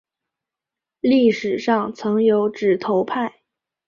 历史上曾有指头派。